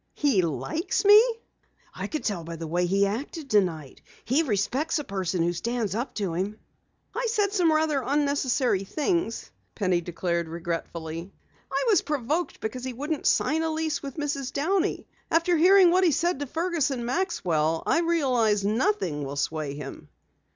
"He likes me?" "I could tell by the way he acted tonight. He respects a person who stands up to him." "I said some rather unnecessary things," Penny declared regretfully. "I was provoked because he wouldn't sign a lease with Mrs. Downey. After hearing what he said to Fergus and Maxwell I realize nothing will sway him."